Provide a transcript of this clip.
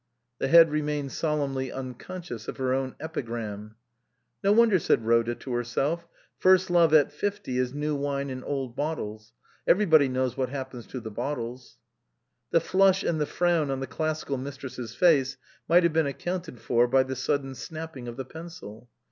The Head remained solemnly unconscious of her own epigram. " No wonder," said Rhoda to herself, " first love at fifty is new wine in old bottles ; every body knows what happens to the bottles." The flush and the frown on the Classical Mistress's face might have been accounted for by the sudden snapping of the pencil.